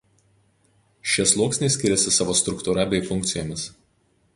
Šie sluoksniai skiriasi savo struktūra bei funkcijomis.